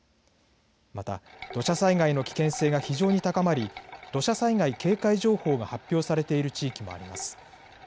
また、土砂災害の危険性が非常に高まり土砂災害警戒情報が発表されている地域もあります。